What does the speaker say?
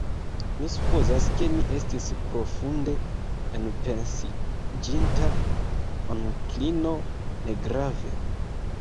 Mi supozas, ke mi estis profunde enpensiĝinta, onklino; negrave.